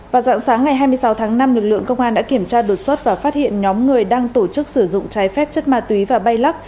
vào dạng sáng ngày hai mươi sáu tháng năm lực lượng công an đã kiểm tra đột xuất và phát hiện nhóm người đang tổ chức sử dụng trái phép chất ma túy và bay lắc